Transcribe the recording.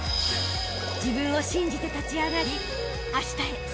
［自分を信じて立ち上がりあしたへ